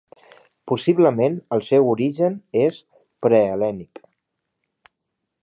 Possiblement el seu origen és prehel·lènic.